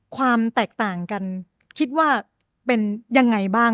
ความแตกต่างกันคิดว่าเป็นยังไงบ้าง